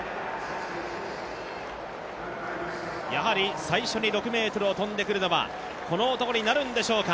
やはり最初に６ｍを跳んでくるのはこの男になるんでしょうか。